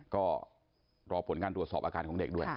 ก็รอผลการตรวจสอบอาการของเด็กด้วย